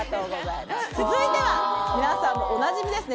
続いては、皆さんおなじみですね。